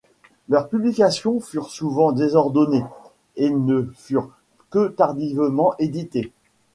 Leurs publications furent souvent désordonnées et ne furent que tardivement éditées.